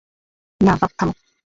না - ফাক - থামো!